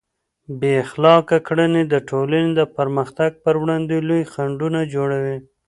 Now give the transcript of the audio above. بې اخلاقه کړنې د ټولنې د پرمختګ پر وړاندې لوی خنډونه جوړوي.